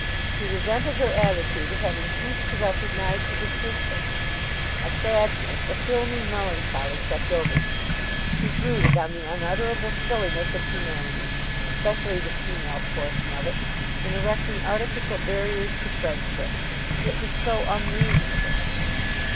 He resented her attitude of having ceased to recognize his existence. A sadness, a filmy melancholy, crept over him. He brooded on the unutterable silliness of humanity, especially the female portion of it, in erecting artificial barriers to friendship. It was so unreasonable.